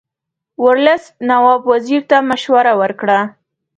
ورلسټ نواب وزیر ته مشوره ورکړه.